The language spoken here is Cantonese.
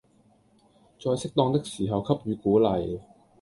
在適當的時候給予鼓勵